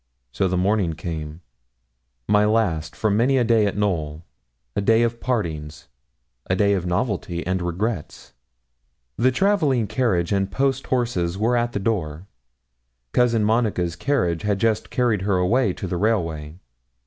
So the morning came my last for many a day at Knowl a day of partings, a day of novelty and regrets. The travelling carriage and post horses were at the door. Cousin Monica's carriage had just carried her away to the railway.